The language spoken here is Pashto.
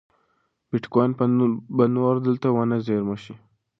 بېټکوین به نور دلته ونه زېرمه شي.